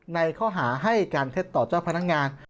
ในข้อหาให้การเท็จต่อเจ้าพนักงาน